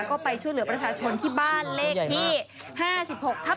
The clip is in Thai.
ก็ไปช่วยเหลือประชาชนที่บ้านเลขที่๕๖ทับ